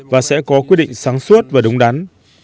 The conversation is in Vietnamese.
và sẽ có quyết định sáng suốt và đúng đắn